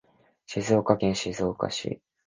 静岡県静岡市